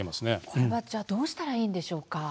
これはじゃあどうしたらいいんでしょうか？